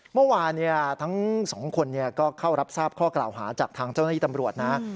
เมื่อวานทั้งสองคนก็เข้ารับทราบข้อกล่าวหาจากทางเจ้าหน้าที่ตำรวจนะ